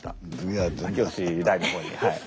はい。